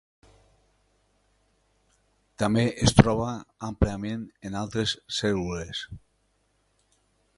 També es troba àmpliament en altres cèl·lules.